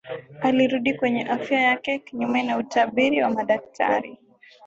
alirudi kwenye afya yake kinyume na utabiri wa madaktari